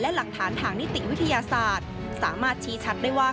และหลักฐานทางนิติวิทยาศาสตร์สามารถชี้ชัดได้ว่า